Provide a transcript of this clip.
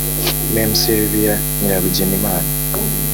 Mme Sylvie Nyirabugenimana